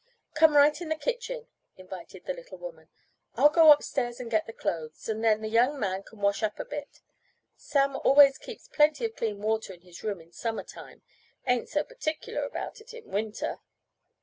"Come right in the kitchen," invited the little woman. "I'll go upstairs and get the clothes, and then the young man can wash up a bit. Sam always keeps plenty of clean water in his room in summer time ain't so pertic'lar about it in winter."